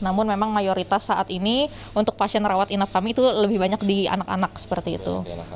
namun memang mayoritas saat ini untuk pasien rawat inap kami itu lebih banyak di anak anak seperti itu